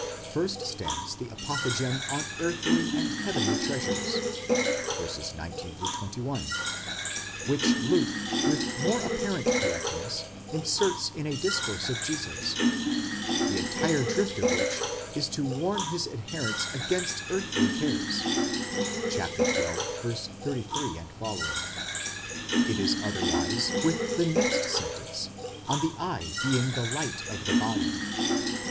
First stands the apothegm on earthly and heavenly treasures (19 21), which Luke, with more apparent correctness, inserts in a discourse of Jesus, the entire drift of which is to warn his adherents against earthly cares (xii. 33 ἢ). Itis otherwise with the next sentence, on the eye being the light of the body.